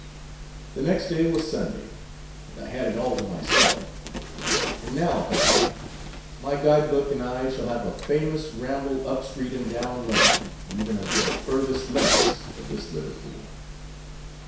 The next day was Sunday, and I had it all to myself; and now, thought I, my guide book and I shall have a famous ramble up street and down lane, even unto the furthest limits of this Liverpool.